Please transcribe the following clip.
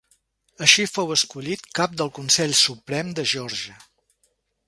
Així fou escollit cap del Consell Suprem de Geòrgia.